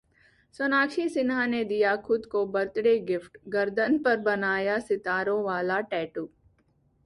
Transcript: सोनाक्षी सिन्हा ने दिया खुद को बर्थडे गिफ्ट, गर्दन पर बनवाया सितारे वाला टैटू